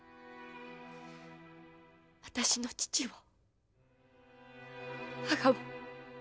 私の父を母を。